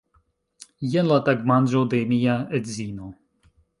Jen la tagmanĝo de mia edzino